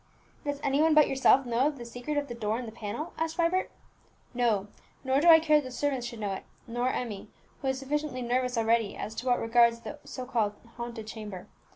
"Does any one but yourself know the secret of the door in the panel?" asked Vibert. "No; nor do I care that the servants should know it, nor Emmie, who is sufficiently nervous already as to what regards the so called haunted chamber.